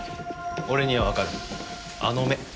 俺には分かるあの目。